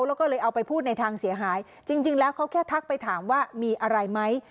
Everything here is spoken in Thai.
แล้วก็เลยเอาไปพูดในทางเสียหายจริงแล้วเขาแค่ทักไปถามว่ามีอะไรไหม